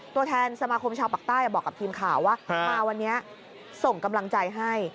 ตัวแทนสมาคมชาวปากใต้บอกกับทีมข่าวว่ามาวันนี้ส่งกำลังใจให้